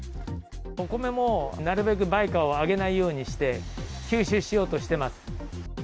お米もなるべく売価を上げないようにして、吸収しようとしてます。